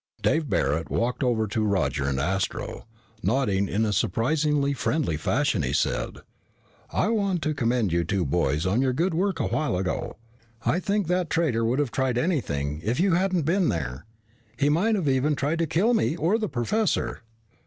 Dave Barret walked over to Roger and Astro. Nodding in a surprisingly friendly fashion, he said, "I want to commend you two boys on your good work a while ago. I think that traitor would have tried anything if you hadn't been there. He might even have tried to kill me or the professor."